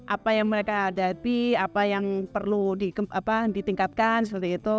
apa yang mereka hadapi apa yang perlu ditingkatkan seperti itu